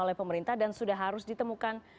oleh pemerintah dan sudah harus ditemukan